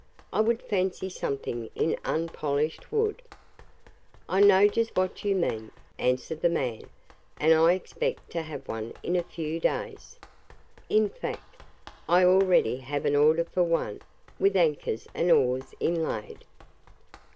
I would fancy something in unpolished wood." "I know just what you mean," answered the man, "and I expect to have one in a few days. In fact, I already have an order for one with anchors and oars inlaid."